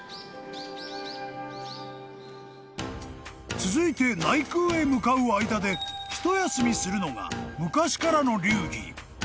［続いて内宮へ向かう間で一休みするのが昔からの流儀］